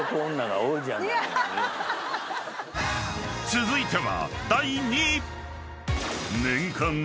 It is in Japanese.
［続いては］